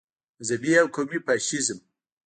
مذهبي او قومي فاشیزم.